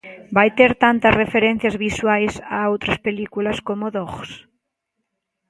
Vai ter tantas referencias visuais a outras películas como Dhogs?